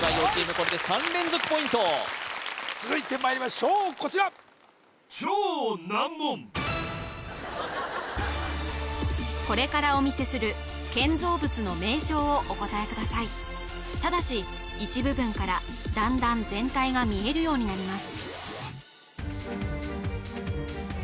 これで３連続ポイント続いてまいりましょうこちらこれからお見せする建造物の名称をお答えくださいただし一部分から段々全体が見えるようになります